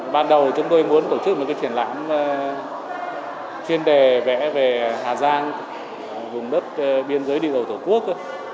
ban đầu chúng tôi muốn tổ chức một cái triển lãm chuyên đề vẽ về hà giang vùng đất biên giới địa dầu thổ quốc